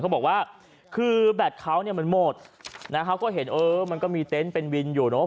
เขาบอกว่าคือแบตเขาเนี่ยมันหมดนะฮะเขาก็เห็นเออมันก็มีเต็นต์เป็นวินอยู่เนอะ